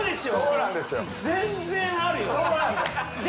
全然あるよじゃ